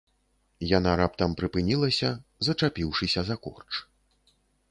Яна раптам прыпынілася, зачапіўшыся за корч.